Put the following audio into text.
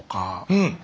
うん。